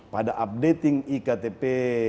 pada updating iktp